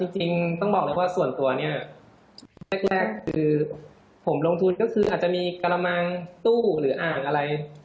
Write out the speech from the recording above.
จริงต้องบอกเลยว่าส่วนตัวเนี่ยแรกคือผมลงทุนก็คืออาจจะมีกระมังตู้หรืออ่างอะไร